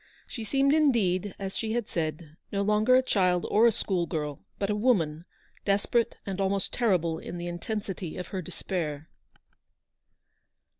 She seemed indeed, as she had said, no longer a child or a school girl ; but a woman, desperate and almost terrible in the intensity of her despair.